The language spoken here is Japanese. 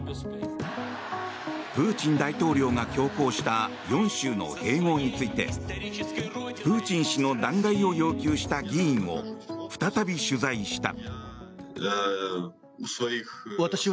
プーチン大統領が強行した４州の併合についてプーチン氏の弾劾を要求した議員を再び取材した。